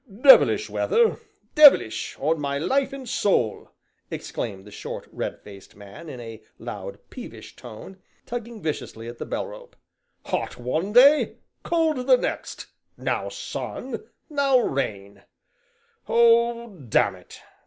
"Devilish weather devilish, on my life and soul!" exclaimed the short, red faced man, in a loud, peevish tone, tugging viciously at the bell rope, "hot one day, cold the next, now sun, now rain Oh, damn it!